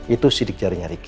itu sidik jarinya riki